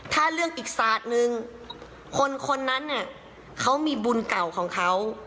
ถ้าเรื่องอีกศาสตร์หนึ่งคนคนนั้นเขามีบุญเก่าของเขา